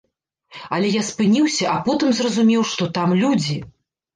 Але я спыніўся, а потым зразумеў, што там людзі!